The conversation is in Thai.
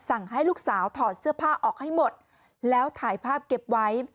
ให้ลูกสาวถอดเสื้อผ้าออกให้หมดแล้วถ่ายภาพเก็บไว้